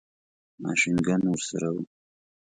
ماشین ګن ورسره وو.